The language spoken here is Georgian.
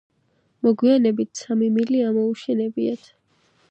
მოგვიანებით სამი მილი ამოუშენებიათ.